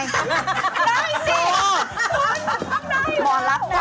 หมอลักษมณ์น่ะ